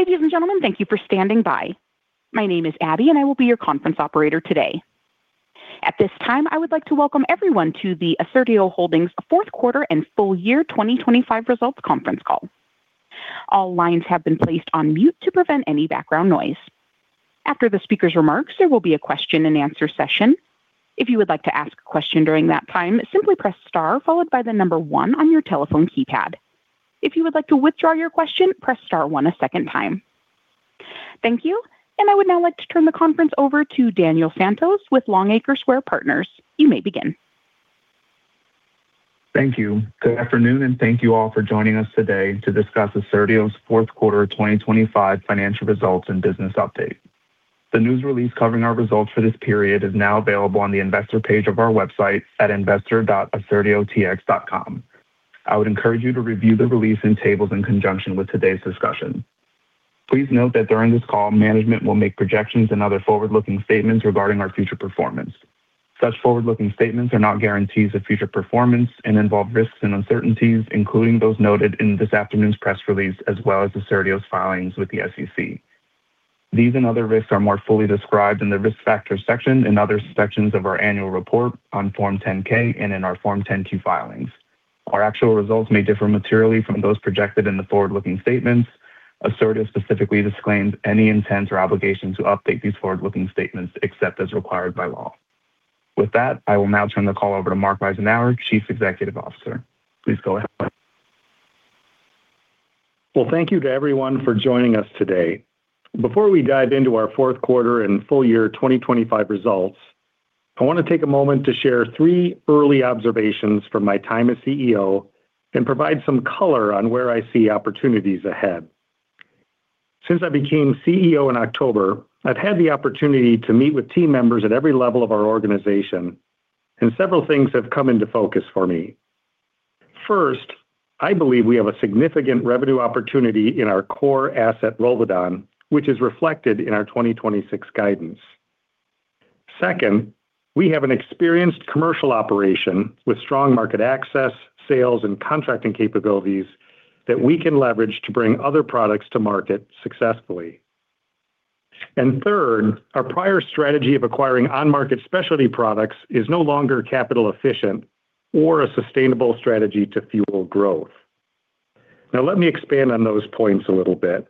Ladies and gentlemen, thank you for standing by. My name is Abby, and I will be your conference operator today. At this time, I would like to welcome everyone to the Assertio Holdings Fourth Quarter and Full Year 2025 Results Conference Call. All lines have been placed on mute to prevent any background noise. After the speaker's remarks, there will be a question and answer session. If you would like to ask a question during that time, simply press star followed by the number one on your telephone keypad. If you would like to withdraw your question, press star one a second time. Thank you. I would now like to turn the conference over to Daniel Santos with Longacre Square Partners. You may begin. Thank you. Good afternoon, and thank you all for joining us today to discuss Assertio's fourth quarter 2025 financial results and business update. The news release covering our results for this period is now available on the investor page of our website at investor.assertiotx.com. I would encourage you to review the release and tables in conjunction with today's discussion. Please note that during this call, management will make projections and other forward-looking statements regarding our future performance. Such forward-looking statements are not guarantees of future performance and involve risks and uncertainties, including those noted in this afternoon's press release, as well as Assertio's filings with the SEC. These and other risks are more fully described in the Risk Factors section and other sections of our annual report on Form 10-K and in our Form 10-Q filings. Our actual results may differ materially from those projected in the forward-looking statements. Assertio specifically disclaims any intent or obligation to update these forward-looking statements except as required by law. With that, I will now turn the call over to Mark Reisenauer, Chief Executive Officer. Please go ahead, Mark. Well, thank you to everyone for joining us today. Before we dive into our fourth quarter and full year 2025 results, I want to take a moment to share three early observations from my time as CEO and provide some color on where I see opportunities ahead. Since I became CEO in October, I've had the opportunity to meet with team members at every level of our organization, and several things have come into focus for me. First, I believe we have a significant revenue opportunity in our core asset, ROLVEDON, which is reflected in our 2026 guidance. Second, we have an experienced commercial operation with strong market access, sales, and contracting capabilities that we can leverage to bring other products to market successfully. Third, our prior strategy of acquiring on-market specialty products is no longer capital efficient or a sustainable strategy to fuel growth. Now, let me expand on those points a little bit.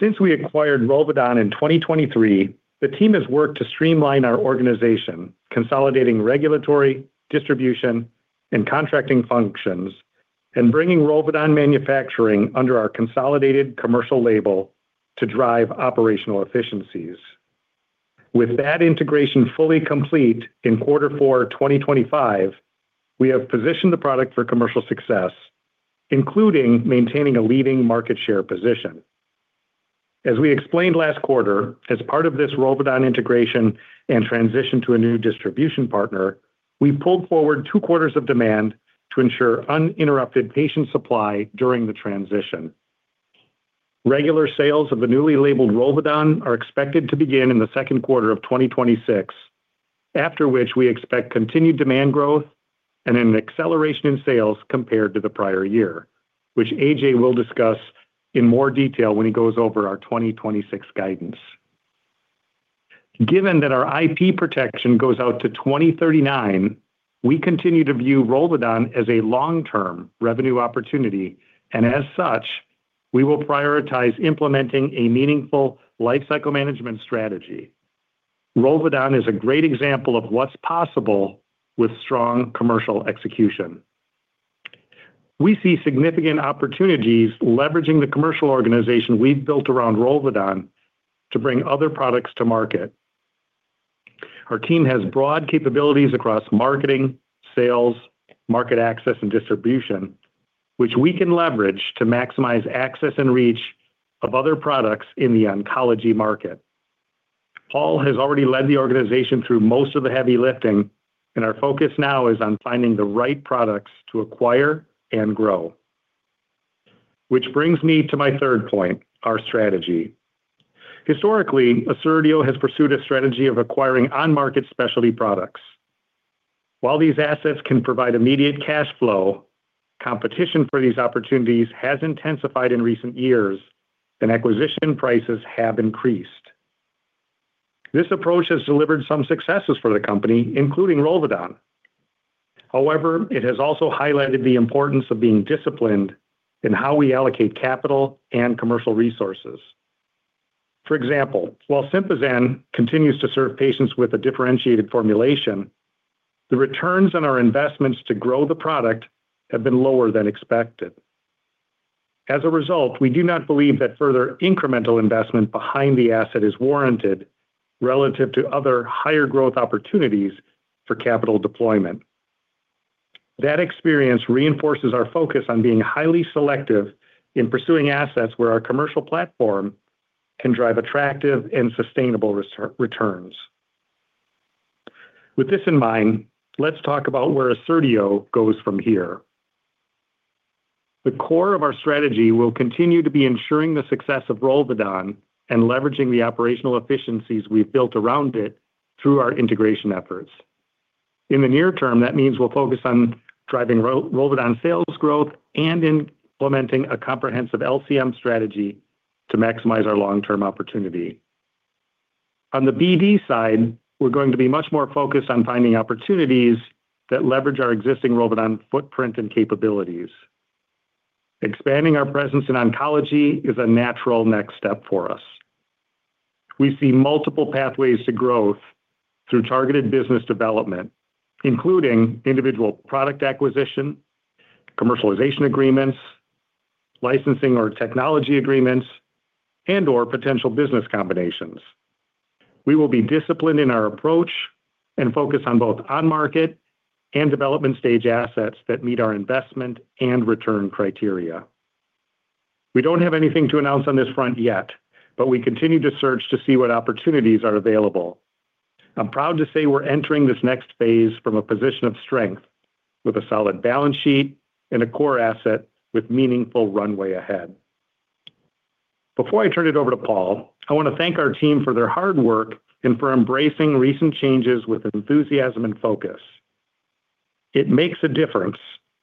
Since we acquired ROLVEDON in 2023, the team has worked to streamline our organization, consolidating regulatory, distribution, and contracting functions and bringing ROLVEDON manufacturing under our consolidated commercial label to drive operational efficiencies. With that integration fully complete in quarter four 2025, we have positioned the product for commercial success, including maintaining a leading market share position. As we explained last quarter, as part of this ROLVEDON integration and transition to a new distribution partner, we pulled forward two quarters of demand to ensure uninterrupted patient supply during the transition. Regular sales of the newly labeled ROLVEDON are expected to begin in the second quarter of 2026, after which we expect continued demand growth and an acceleration in sales compared to the prior year. Which Ajay will discuss in more detail when he goes over our 2026 guidance. Given that our IP protection goes out to 2039, we continue to view ROLVEDON as a long-term revenue opportunity, and as such, we will prioritize implementing a meaningful lifecycle management strategy. ROLVEDON is a great example of what's possible with strong commercial execution. We see significant opportunities leveraging the commercial organization we've built around ROLVEDON to bring other products to market. Our team has broad capabilities across marketing, sales, market access, and distribution, which we can leverage to maximize access and reach of other products in the oncology market. Paul has already led the organization through most of the heavy lifting, and our focus now is on finding the right products to acquire and grow. Which brings me to my third point, our strategy. Historically, Assertio has pursued a strategy of acquiring on-market specialty products. While these assets can provide immediate cash flow, competition for these opportunities has intensified in recent years and acquisition prices have increased. This approach has delivered some successes for the company, including ROLVEDON. However, it has also highlighted the importance of being disciplined in how we allocate capital and commercial resources. For example, while SYMPAZAN continues to serve patients with a differentiated formulation, the returns on our investments to grow the product have been lower than expected. As a result, we do not believe that further incremental investment behind the asset is warranted relative to other higher growth opportunities for capital deployment. That experience reinforces our focus on being highly selective in pursuing assets where our commercial platform can drive attractive and sustainable returns. With this in mind, let's talk about where Assertio goes from here. The core of our strategy will continue to be ensuring the success of ROLVEDON and leveraging the operational efficiencies we've built around it through our integration efforts. In the near term, that means we'll focus on driving ROLVEDON sales growth and implementing a comprehensive LCM strategy to maximize our long-term opportunity. On the BD side, we're going to be much more focused on finding opportunities that leverage our existing ROLVEDON footprint and capabilities. Expanding our presence in oncology is a natural next step for us. We see multiple pathways to growth through targeted business development, including individual product acquisition, commercialization agreements, licensing or technology agreements, and/or potential business combinations. We will be disciplined in our approach and focus on both on-market and development stage assets that meet our investment and return criteria. We don't have anything to announce on this front yet, but we continue to search to see what opportunities are available. I'm proud to say we're entering this next phase from a position of strength with a solid balance sheet and a core asset with meaningful runway ahead. Before I turn it over to Paul, I want to thank our team for their hard work and for embracing recent changes with enthusiasm and focus. It makes a difference,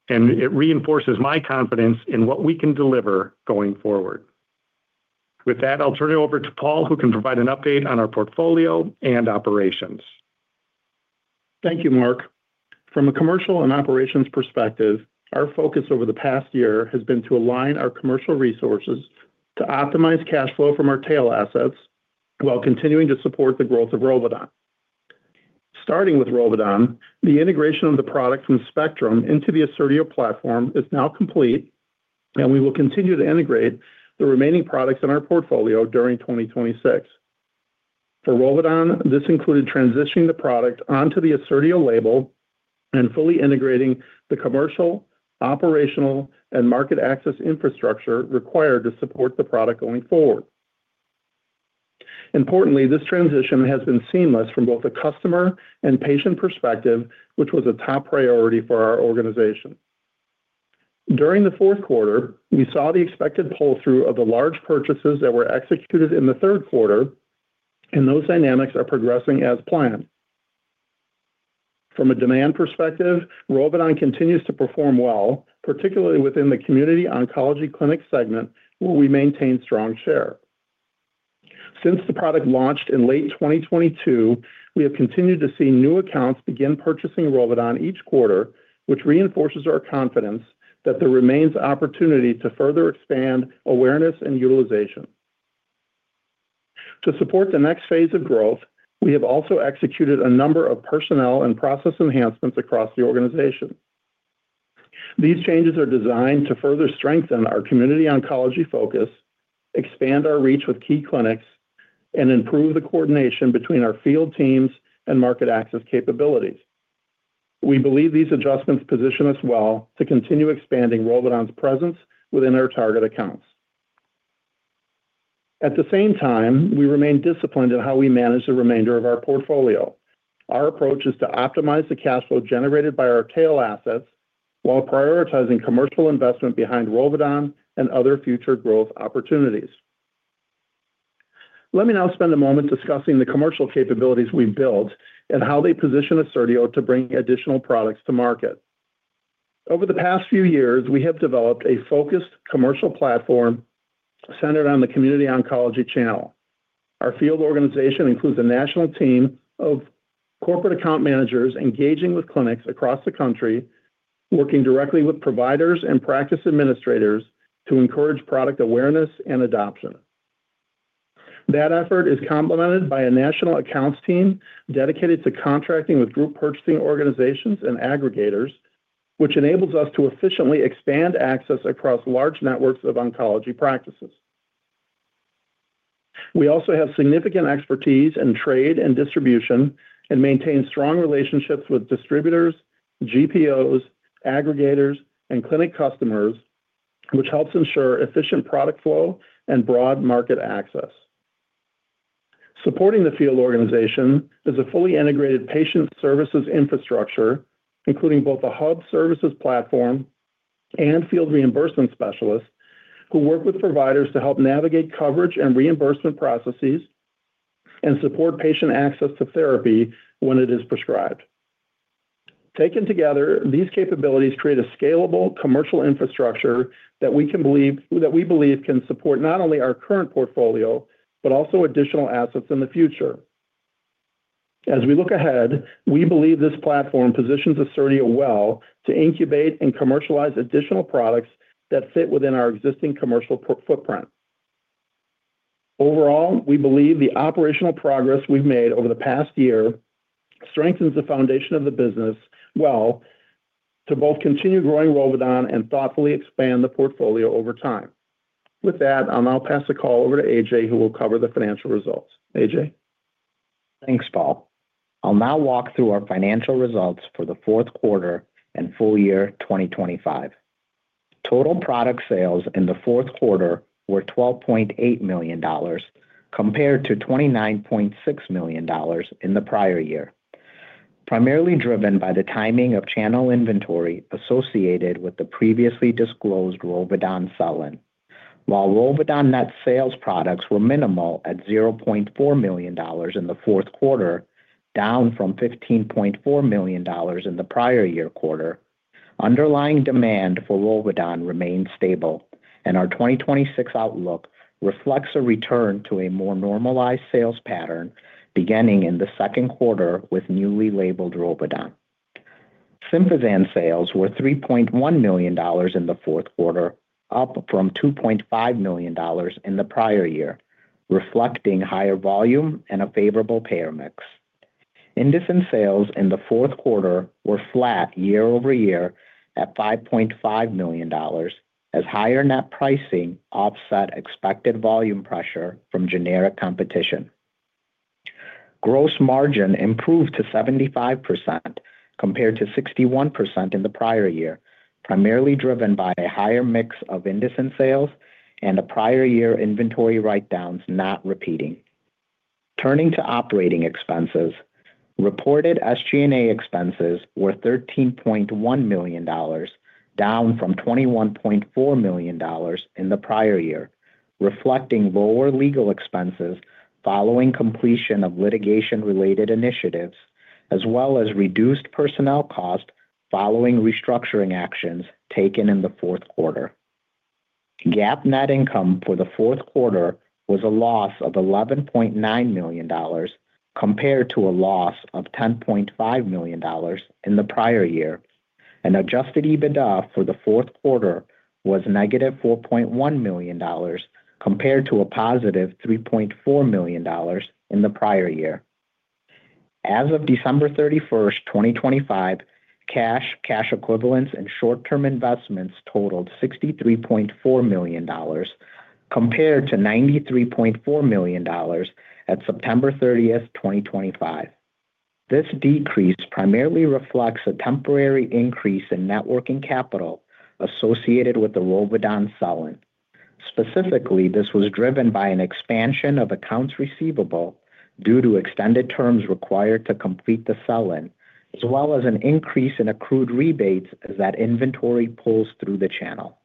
and it reinforces my confidence in what we can deliver going forward. With that, I'll turn it over to Paul, who can provide an update on our portfolio and operations. Thank you, Mark. From a commercial and operations perspective, our focus over the past year has been to align our commercial resources to optimize cash flow from our tail assets while continuing to support the growth of ROLVEDON. Starting with ROLVEDON, the integration of the product from Spectrum into the Assertio platform is now complete, and we will continue to integrate the remaining products in our portfolio during 2026. For ROLVEDON, this included transitioning the product onto the Assertio label and fully integrating the commercial, operational, and market access infrastructure required to support the product going forward. Importantly, this transition has been seamless from both a customer and patient perspective, which was a top priority for our organization. During the fourth quarter, we saw the expected pull-through of the large purchases that were executed in the third quarter, and those dynamics are progressing as planned. From a demand perspective, ROLVEDON continues to perform well, particularly within the community oncology clinic segment, where we maintain strong share. Since the product launched in late 2022, we have continued to see new accounts begin purchasing ROLVEDON each quarter, which reinforces our confidence that there remains opportunity to further expand awareness and utilization. To support the next phase of growth, we have also executed a number of personnel and process enhancements across the organization. These changes are designed to further strengthen our community oncology focus, expand our reach with key clinics, and improve the coordination between our field teams and market access capabilities. We believe these adjustments position us well to continue expanding ROLVEDON's presence within our target accounts. At the same time, we remain disciplined in how we manage the remainder of our portfolio. Our approach is to optimize the cash flow generated by our tail assets while prioritizing commercial investment behind ROLVEDON and other future growth opportunities. Let me now spend a moment discussing the commercial capabilities we've built and how they position Assertio to bring additional products to market. Over the past few years, we have developed a focused commercial platform centered on the community oncology channel. Our field organization includes a national team of corporate account managers engaging with clinics across the country, working directly with providers and practice administrators to encourage product awareness and adoption. That effort is complemented by a national accounts team dedicated to contracting with group purchasing organizations and aggregators, which enables us to efficiently expand access across large networks of oncology practices. We also have significant expertise in trade and distribution and maintain strong relationships with distributors, GPOs, aggregators, and clinic customers, which helps ensure efficient product flow and broad market access. Supporting the field organization is a fully integrated patient services infrastructure, including both a hub services platform and field reimbursement specialists who work with providers to help navigate coverage and reimbursement processes and support patient access to therapy when it is prescribed. Taken together, these capabilities create a scalable commercial infrastructure that we believe can support not only our current portfolio, but also additional assets in the future. As we look ahead, we believe this platform positions Assertio well to incubate and commercialize additional products that fit within our existing commercial footprint. Overall, we believe the operational progress we've made over the past year strengthens the foundation of the business well to both continue growing ROLVEDON and thoughtfully expand the portfolio over time. With that, I'll now pass the call over to Ajay, who will cover the financial results. Ajay. Thanks, Paul. I'll now walk through our financial results for the fourth quarter and full year 2025. Total product sales in the fourth quarter were $12.8 million compared to $29.6 million in the prior year, primarily driven by the timing of channel inventory associated with the previously disclosed ROLVEDON sell-in. While ROLVEDON net sales products were minimal at $0.4 million in the fourth quarter, down from $15.4 million in the prior-year quarter. Underlying demand for ROLVEDON remains stable, and our 2026 outlook reflects a return to a more normalized sales pattern beginning in the second quarter with newly labeled ROLVEDON. SYMPAZAN sales were $3.1 million in the fourth quarter, up from $2.5 million in the prior year, reflecting higher volume and a favorable payer mix. Indocin sales in the fourth quarter were flat year-over-year at $5.5 million as higher net pricing offset expected volume pressure from generic competition. Gross margin improved to 75% compared to 61% in the prior year, primarily driven by a higher mix of Indocin sales and a prior-year inventory write-downs not repeating. Turning to operating expenses. Reported SG&A expenses were $13.1 million, down from $21.4 million in the prior year, reflecting lower legal expenses following completion of litigation-related initiatives, as well as reduced personnel costs following restructuring actions taken in the fourth quarter. GAAP net income for the fourth quarter was a loss of $11.9 million compared to a loss of $10.5 million in the prior year. An adjusted EBITDA for the fourth quarter was -$4.1 million compared to a positive $3.4 million in the prior year. As of December 31, 2025, cash equivalents and short-term investments totaled $63.4 million compared to $93.4 million at September 30th, 2025. This decrease primarily reflects a temporary increase in net working capital associated with the ROLVEDON sell-in. Specifically, this was driven by an expansion of accounts receivable due to extended terms required to complete the sell-in, as well as an increase in accrued rebates as that inventory pulls through the channel.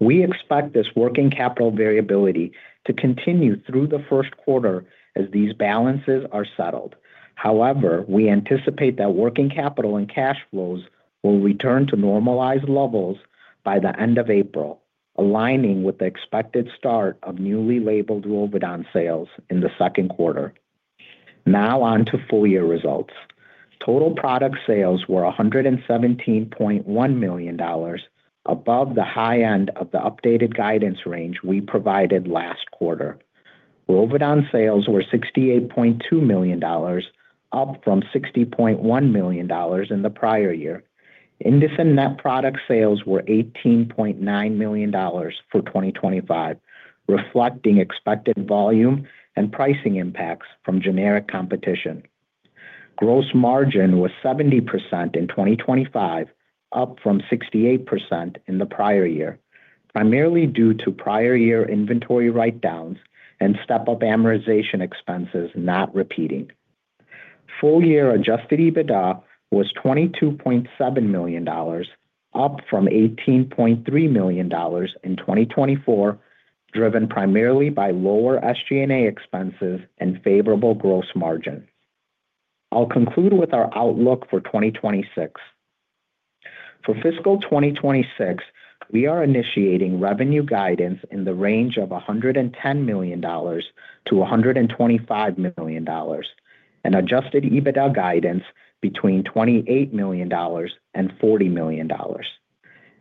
We expect this working capital variability to continue through the first quarter as these balances are settled. However, we anticipate that working capital and cash flows will return to normalized levels by the end of April, aligning with the expected start of newly labeled ROLVEDON sales in the second quarter. Now on to full year results. Total product sales were $117.1 million above the high end of the updated guidance range we provided last quarter. ROLVEDON sales were $68.2 million, up from $60.1 million in the prior year. Indocin net product sales were $18.9 million for 2025, reflecting expected volume and pricing impacts from generic competition. Gross margin was 70% in 2025, up from 68% in the prior year, primarily due to prior year inventory write-downs and step-up amortization expenses not repeating. Full year adjusted EBITDA was $22.7 million, up from $18.3 million in 2024, driven primarily by lower SG&A expenses and favorable gross margin. I'll conclude with our outlook for 2026. For fiscal 2026, we are initiating revenue guidance in the range of $110 million-$125 million and adjusted EBITDA guidance between $28 million-$40 million.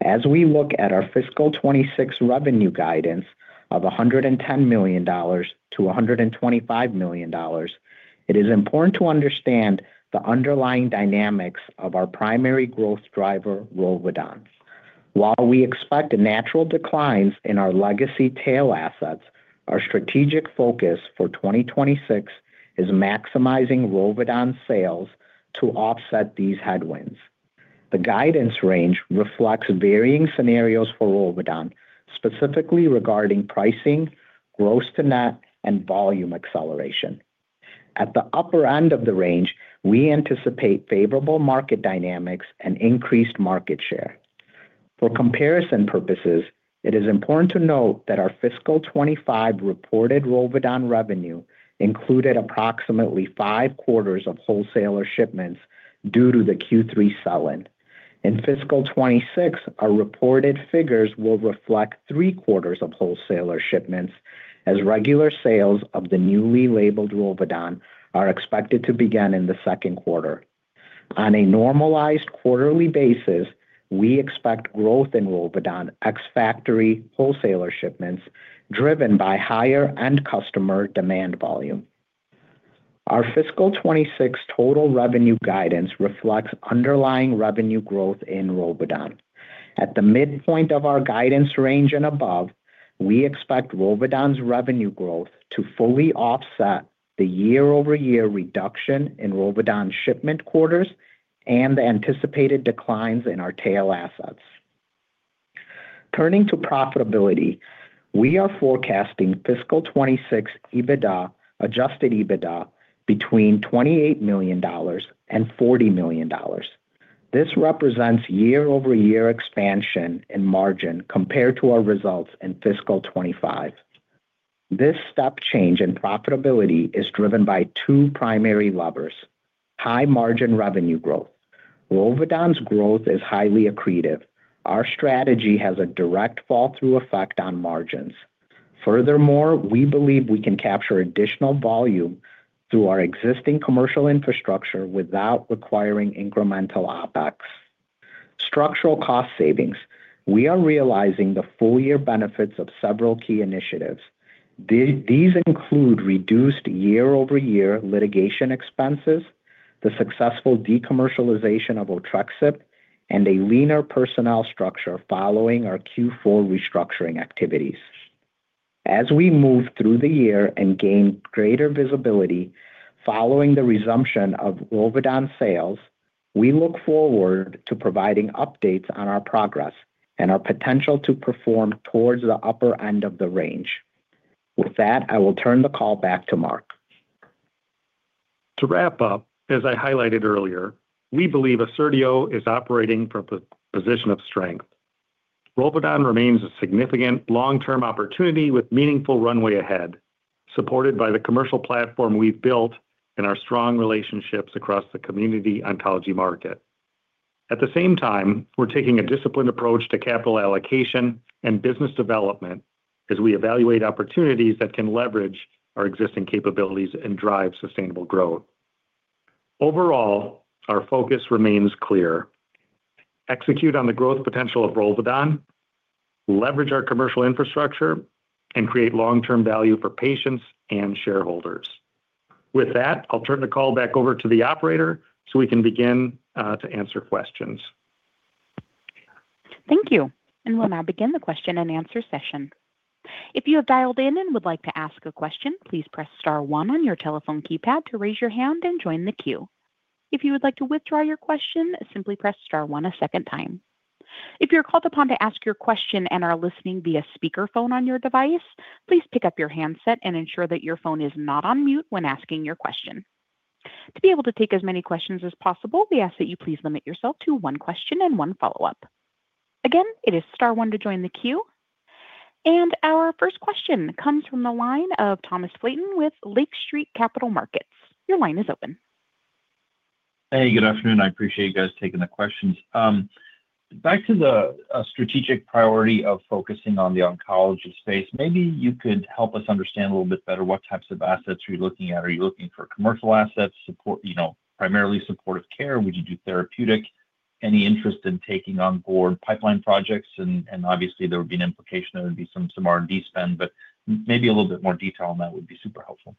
As we look at our fiscal 2026 revenue guidance of $110 million-$125 million, it is important to understand the underlying dynamics of our primary growth driver, ROLVEDON. While we expect natural declines in our legacy tail assets, our strategic focus for 2026 is maximizing ROLVEDON sales to offset these headwinds. The guidance range reflects varying scenarios for ROLVEDON, specifically regarding pricing, gross to net, and volume acceleration. At the upper end of the range, we anticipate favorable market dynamics and increased market share. For comparison purposes, it is important to note that our fiscal 2025 reported ROLVEDON revenue included approximately five quarters of wholesaler shipments due to the Q3 sell-in. In fiscal 2026, our reported figures will reflect three quarters of wholesaler shipments as regular sales of the newly labeled ROLVEDON are expected to begin in the second quarter. On a normalized quarterly basis, we expect growth in ROLVEDON ex-factory wholesaler shipments driven by higher end customer demand volume. Our fiscal 2026 total revenue guidance reflects underlying revenue growth in ROLVEDON. At the midpoint of our guidance range and above, we expect ROLVEDON's revenue growth to fully offset the year-over-year reduction in ROLVEDON shipment quarters and the anticipated declines in our tail assets. Turning to profitability, we are forecasting fiscal 2026 EBITDA, adjusted EBITDA between $28 million and $40 million. This represents year-over-year expansion and margin compared to our results in fiscal 2025. This step change in profitability is driven by two primary levers. High margin revenue growth. ROLVEDON's growth is highly accretive. Our strategy has a direct fall through effect on margins. Furthermore, we believe we can capture additional volume through our existing commercial infrastructure without requiring incremental OpEx. Structural cost savings. We are realizing the full year benefits of several key initiatives. These include reduced year-over-year litigation expenses, the successful decommercialization of Otrexup, and a leaner personnel structure following our Q4 restructuring activities. As we move through the year and gain greater visibility following the resumption of ROLVEDON sales, we look forward to providing updates on our progress and our potential to perform towards the upper end of the range. With that, I will turn the call back to Mark. To wrap up, as I highlighted earlier, we believe Assertio is operating from a position of strength. ROLVEDON remains a significant long-term opportunity with meaningful runway ahead, supported by the commercial platform we've built and our strong relationships across the community oncology market. At the same time, we're taking a disciplined approach to capital allocation and business development as we evaluate opportunities that can leverage our existing capabilities and drive sustainable growth. Overall, our focus remains clear. Execute on the growth potential of ROLVEDON, leverage our commercial infrastructure, and create long-term value for patients and shareholders. With that, I'll turn the call back over to the operator, so we can begin to answer questions. Thank you. We'll now begin the question and answer session. If you have dialed in and would like to ask a question, please press star one on your telephone keypad to raise your hand and join the queue. If you would like to withdraw your question, simply press star one a second time. If you're called upon to ask your question and are listening via speaker phone on your device, please pick up your handset and ensure that your phone is not on mute when asking your question. To be able to take as many questions as possible, we ask that you please limit yourself to one question and one follow-up. Again, it is star one to join the queue. Our first question comes from the line of Thomas Flaten with Lake Street Capital Markets. Your line is open. Hey, good afternoon. I appreciate you guys taking the questions. Back to the strategic priority of focusing on the oncology space. Maybe you could help us understand a little bit better what types of assets are you looking at. Are you looking for commercial assets, support, you know, primarily supportive care? Would you do therapeutic? Any interest in taking on board pipeline projects? Obviously there would be an implication there would be some R&D spend, but maybe a little bit more detail on that would be super helpful.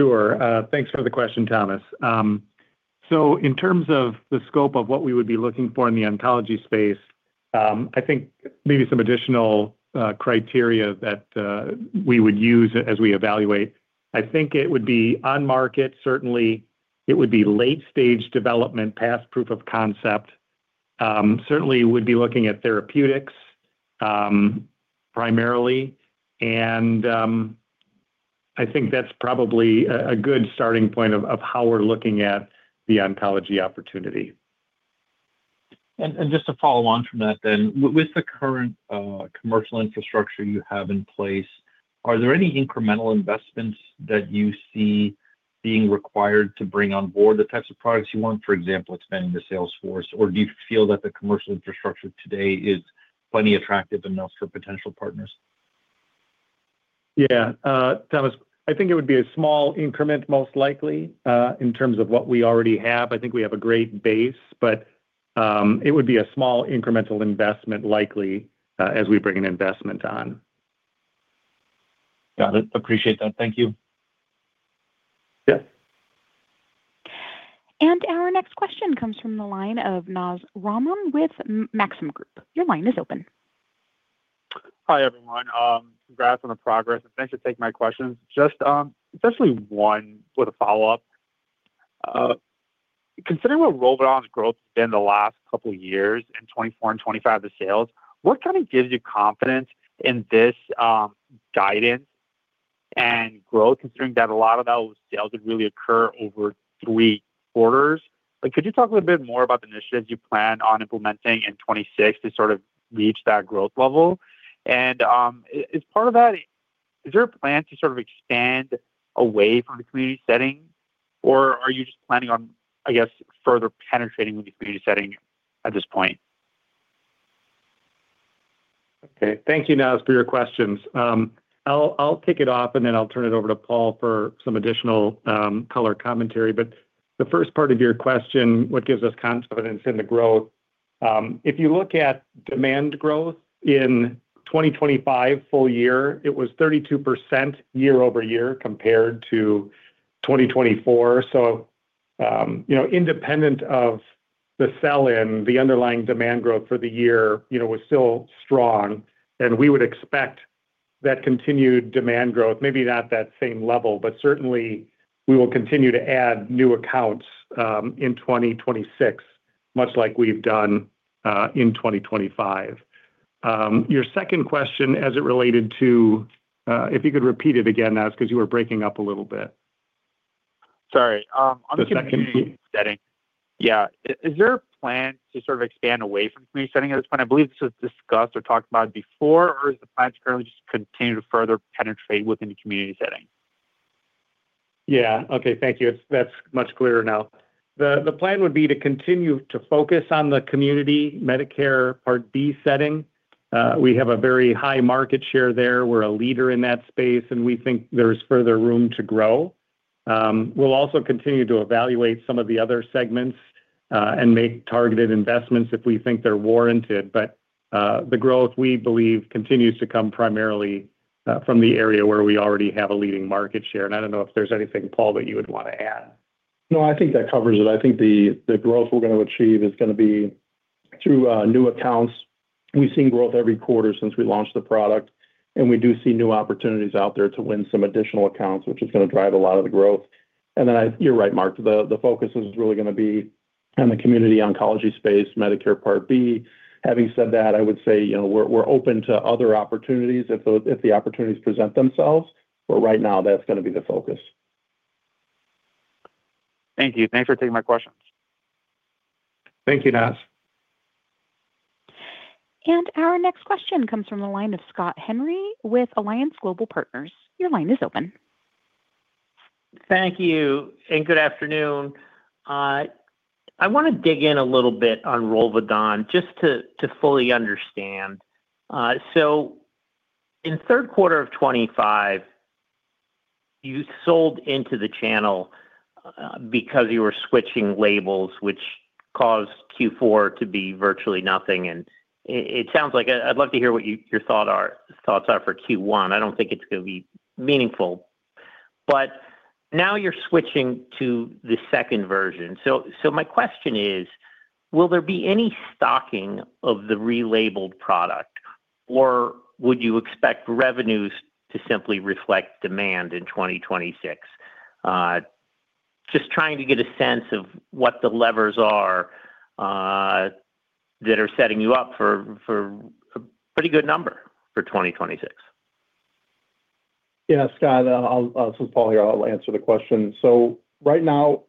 Sure. Thanks for the question, Thomas. In terms of the scope of what we would be looking for in the oncology space, I think maybe some additional criteria that we would use as we evaluate. I think it would be on market, certainly it would be late stage development, past proof of concept. Certainly would be looking at therapeutics, primarily. I think that's probably a good starting point of how we're looking at the oncology opportunity. Just to follow on from that then, with the current commercial infrastructure you have in place, are there any incremental investments that you see being required to bring on board the types of products you want? For example, expanding the sales force, or do you feel that the commercial infrastructure today is plenty attractive enough for potential partners? Yeah. Thomas, I think it would be a small increment, most likely, in terms of what we already have. I think we have a great base, but it would be a small incremental investment likely, as we bring an investment on. Got it. Appreciate that. Thank you. Yeah. Our next question comes from the line of Nazibur Rahman with Maxim Group. Your line is open. Hi, everyone. Congrats on the progress, and thanks for taking my questions. Just, especially one with a follow-up. Considering what ROLVEDON's growth has been the last couple years in 2024 and 2025, the sales, what kind of gives you confidence in this guidance and growth, considering that a lot of those sales would really occur over three quarters? Like, could you talk a little bit more about the initiatives you plan on implementing in 2026 to sort of reach that growth level? Is part of that, is there a plan to sort of expand away from the community setting, or are you just planning on, I guess, further penetrating the community setting at this point? Okay. Thank you, Naz, for your questions. I'll kick it off, and then I'll turn it over to Paul for some additional color commentary. The first part of your question, what gives us confidence in the growth. If you look at demand growth in 2025 full year, it was 32% year-over-year compared to 2024. You know, independent of the sell-in, the underlying demand growth for the year, you know, was still strong, and we would expect that continued demand growth, maybe not that same level. Certainly we will continue to add new accounts in 2026. Much like we've done in 2025. Your second question as it related to if you could repeat it again, Naz, 'cause you were breaking up a little bit. Sorry. On the community setting. Can you repeat? Yeah. Is there a plan to sort of expand away from community setting at this point? I believe this was discussed or talked about before. Or is the plan to currently just continue to further penetrate within the community setting? Yeah. Okay, thank you. That's much clearer now. The plan would be to continue to focus on the community Medicare Part D setting. We have a very high market share there. We're a leader in that space, and we think there's further room to grow. We'll also continue to evaluate some of the other segments and make targeted investments if we think they're warranted. The growth, we believe, continues to come primarily from the area where we already have a leading market share. I don't know if there's anything, Paul, that you would wanna add. No, I think that covers it. I think the growth we're gonna achieve is gonna be through new accounts. We've seen growth every quarter since we launched the product, and we do see new opportunities out there to win some additional accounts, which is gonna drive a lot of the growth. You're right, Mark. The focus is really gonna be on the community oncology space, Medicare Part D. Having said that, I would say, you know, we're open to other opportunities if the opportunities present themselves. But right now that's gonna be the focus. Thank you. Thanks for taking my questions. Thank you, Naz. Our next question comes from the line of Scott Henry with Alliance Global Partners. Your line is open. Thank you, good afternoon. I wanna dig in a little bit on ROLVEDON just to fully understand. In third quarter of 2025, you sold into the channel, because you were switching labels, which caused Q4 to be virtually nothing. It sounds like I'd love to hear what your thoughts are for Q1. I don't think it's gonna be meaningful. Now you're switching to the second version. My question is, will there be any stocking of the relabeled product, or would you expect revenues to simply reflect demand in 2026? Just trying to get a sense of what the levers are, that are setting you up for a pretty good number for 2026. Yeah, Scott. This is Paul here. I'll answer the question. Right now,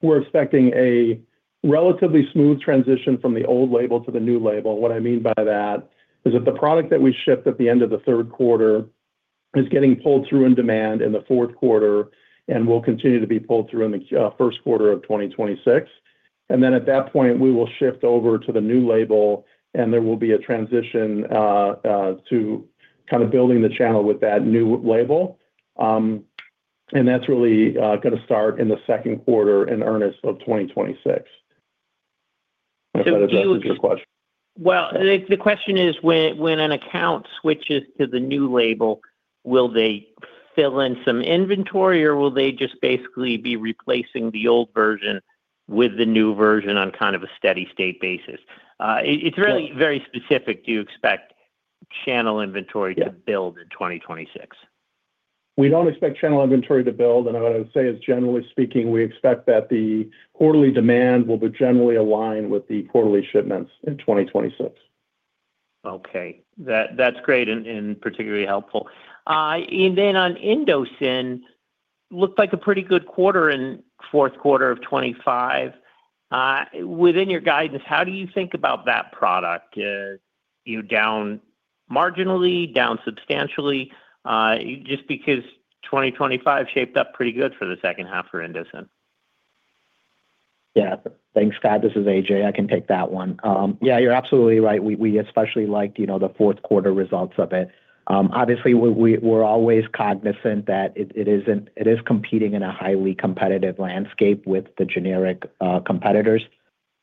we're expecting a relatively smooth transition from the old label to the new label. What I mean by that is that the product that we shipped at the end of the third quarter is getting pulled through in demand in the fourth quarter and will continue to be pulled through in the first quarter of 2026. Then at that point, we will shift over to the new label, and there will be a transition to kind of building the channel with that new label. That's really gonna start in the second quarter in earnest of 2026. If that addresses your question. Well, the question is when an account switches to the new label, will they fill in some inventory, or will they just basically be replacing the old version with the new version on kind of a steady state basis? Yeah It's really very specific. Do you expect channel inventory? Yeah to build in 2026? We don't expect channel inventory to build. What I would say is, generally speaking, we expect that the quarterly demand will be generally aligned with the quarterly shipments in 2026. That's great and particularly helpful. Then on Indocin, looked like a pretty good quarter in fourth quarter of 2025. Within your guidance, how do you think about that product? You down marginally, down substantially, just because 2025 shaped up pretty good for the second half for Indocin. Yeah. Thanks, Scott. This is Ajay. I can take that one. Yeah, you're absolutely right. We especially liked, you know, the fourth quarter results of it. Obviously we're always cognizant that it is competing in a highly competitive landscape with the generic competitors.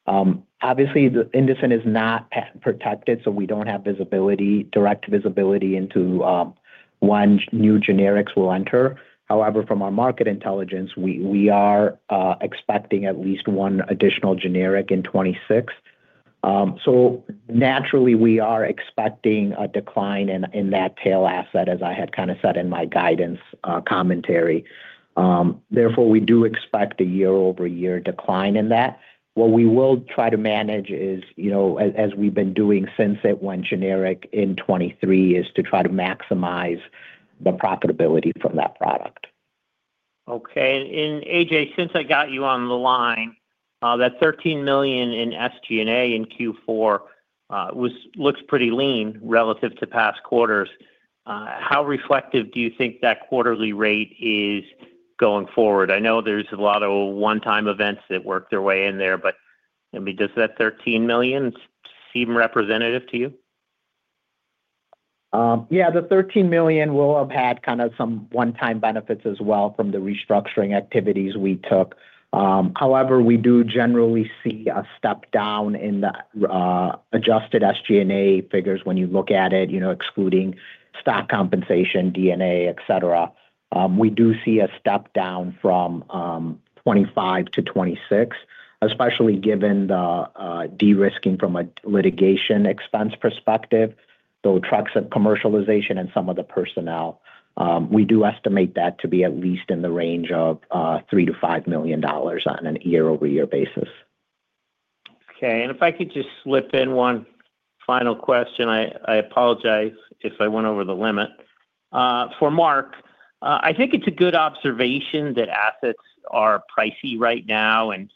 Obviously, the Indocin is not patent protected, so we don't have visibility—direct visibility into when new generics will enter. However, from our market intelligence, we are expecting at least one additional generic in 2026. So naturally we are expecting a decline in that tail asset, as I had kinda said in my guidance commentary. Therefore, we do expect a year-over-year decline in that. What we will try to manage is, you know, as we've been doing since it went generic in 2023, is to try to maximize the profitability from that product. Okay. Ajay, since I got you on the line, that $13 million in SG&A in Q4 looks pretty lean relative to past quarters. How reflective do you think that quarterly rate is going forward? I know there's a lot of one-time events that work their way in there, but, I mean, does that $13 million seem representative to you? Yeah, the $13 million will have had kind of some one-time benefits as well from the restructuring activities we took. However, we do generally see a step down in the adjusted SG&A figures when you look at it, you know, excluding stock compensation, D&A, etc. We do see a step down from 2025 to 2026, especially given the de-risking from a litigation expense perspective. The true costs of commercialization and some of the personnel, we do estimate that to be at least in the range of $3 million-$5 million on a year-over-year basis. Okay. If I could just slip in one final question. I apologize if I went over the limit. For Mark, I think it's a good observation that assets are pricey right now and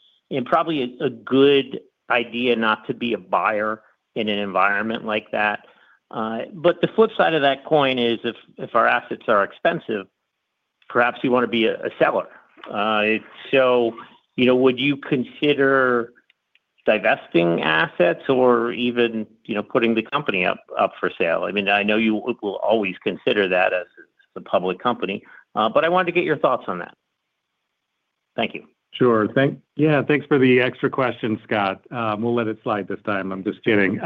probably a good idea not to be a buyer in an environment like that. The flip side of that coin is if our assets are expensive, perhaps you wanna be a seller. You know, would you consider divesting assets or even, you know, putting the company up for sale? I mean, I know you will always consider that as a public company, but I wanted to get your thoughts on that. Thank you. Sure. Yeah, thanks for the extra question, Scott. We'll let it slide this time. I'm just kidding.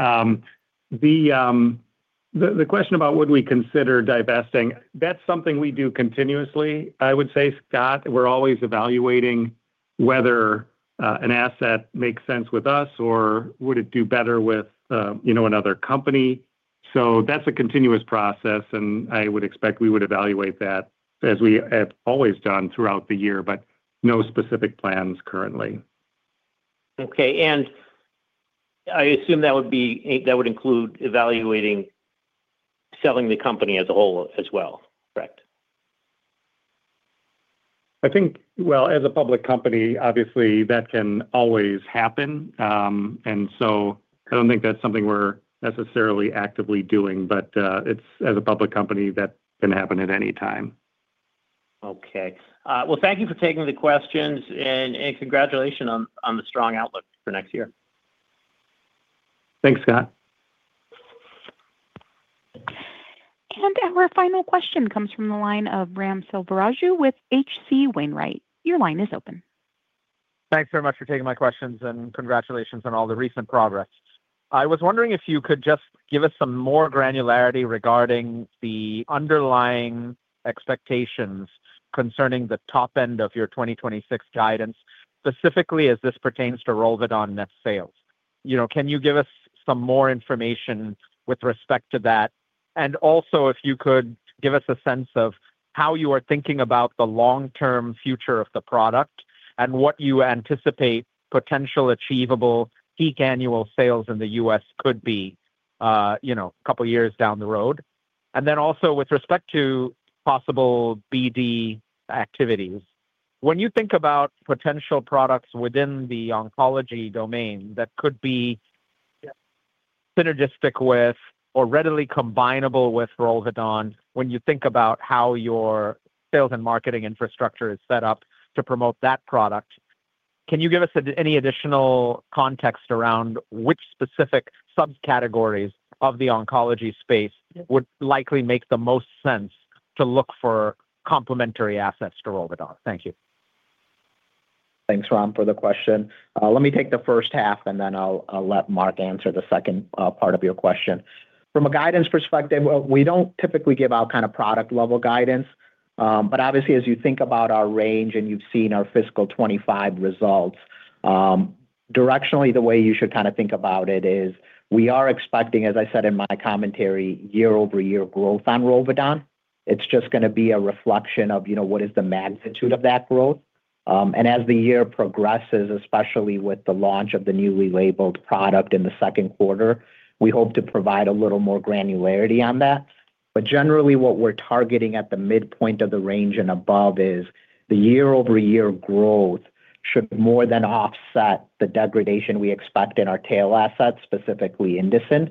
The question about would we consider divesting, that's something we do continuously. I would say, Scott, we're always evaluating whether an asset makes sense with us, or would it do better with you know, another company. That's a continuous process, and I would expect we would evaluate that as we have always done throughout the year, but no specific plans currently. Okay. I assume that would include evaluating selling the company as a whole as well, correct? I think, well, as a public company, obviously, that can always happen. I don't think that's something we're necessarily actively doing, but, it's, as a public company, that can happen at any time. Okay. Well, thank you for taking the questions, and congratulations on the strong outlook for next year. Thanks, Scott. Our final question comes from the line of Raghuram Selvaraju with H.C. Wainwright & Co. Your line is open. Thanks very much for taking my questions, and congratulations on all the recent progress. I was wondering if you could just give us some more granularity regarding the underlying expectations concerning the top end of your 2026 guidance, specifically as this pertains to ROLVEDON net sales. You know, can you give us some more information with respect to that? And also if you could give us a sense of how you are thinking about the long-term future of the product and what you anticipate potential achievable peak annual sales in the U.S. could be, you know, a couple years down the road. And then also with respect to possible BD activities. When you think about potential products within the oncology domain that could be synergistic with or readily combinable with ROLVEDON, when you think about how your sales and marketing infrastructure is set up to promote that product, can you give us any additional context around which specific subcategories of the oncology space would likely make the most sense to look for complementary assets to ROLVEDON? Thank you. Thanks, Rag, for the question. Let me take the first half, and then I'll let Mark answer the second part of your question. From a guidance perspective, we don't typically give out kinda product-level guidance, but obviously, as you think about our range and you've seen our fiscal 2025 results, directionally, the way you should kinda think about it is we are expecting, as I said in my commentary, year-over-year growth on ROLVEDON. It's just gonna be a reflection of, you know, what is the magnitude of that growth. As the year progresses, especially with the launch of the newly labeled product in the second quarter, we hope to provide a little more granularity on that. Generally, what we're targeting at the midpoint of the range and above is the year-over-year growth should more than offset the degradation we expect in our tail assets, specifically Indocin.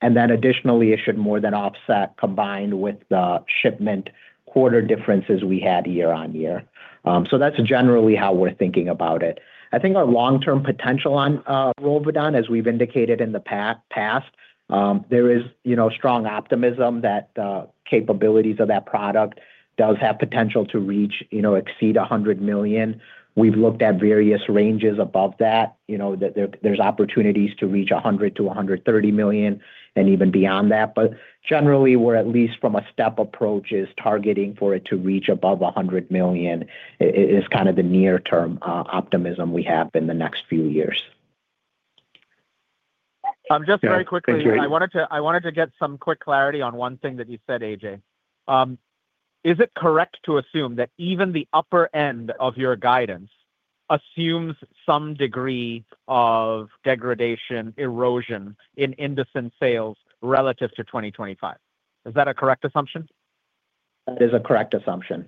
Additionally, it should more than offset combined with the shipment quarter differences we had year-over-year. That's generally how we're thinking about it. I think our long-term potential on ROLVEDON, as we've indicated in the past, there is, you know, strong optimism that capabilities of that product does have potential to reach, you know, exceed $100 million. We've looked at various ranges above that, you know, that there's opportunities to reach $100 million-$130 million and even beyond that. Generally, we're at least from a step approach is targeting for it to reach above $100 million is kind of the near-term optimism we have in the next few years. Just very quickly. Yeah. Thanks, Rag. I wanted to get some quick clarity on one thing that you said, Ajay. Is it correct to assume that even the upper end of your guidance assumes some degree of degradation, erosion in Indocin sales relative to 2025? Is that a correct assumption? That is a correct assumption.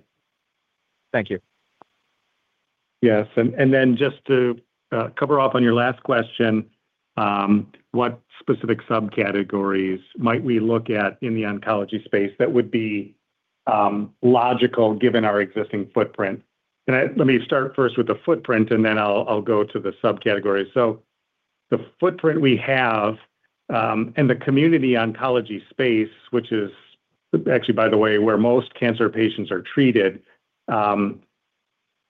Thank you. Yes. And then just to cover off on your last question, what specific subcategories might we look at in the oncology space that would be logical given our existing footprint? Let me start first with the footprint, and then I'll go to the subcategory. The footprint we have in the community oncology space, which is actually, by the way, where most cancer patients are treated,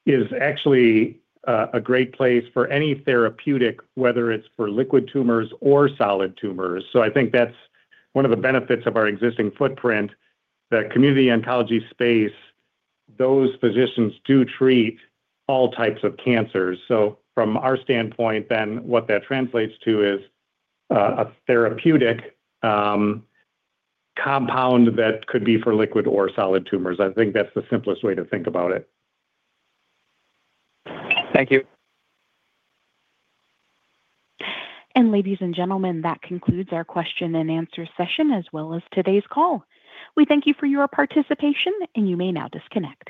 is actually a great place for any therapeutic, whether it's for liquid tumors or solid tumors. I think that's one of the benefits of our existing footprint, the community oncology space. Those physicians do treat all types of cancers. From our standpoint then, what that translates to is a therapeutic compound that could be for liquid or solid tumors. I think that's the simplest way to think about it. Thank you. Ladies and gentlemen, that concludes our question and answer session, as well as today's call. We thank you for your participation, and you may now disconnect.